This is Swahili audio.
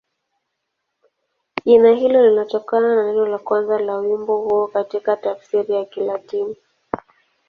Jina hilo linatokana na neno la kwanza la wimbo huo katika tafsiri ya Kilatini.